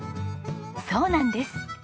そうなんです。